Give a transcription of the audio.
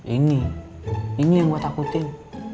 ini ini yang gue takutin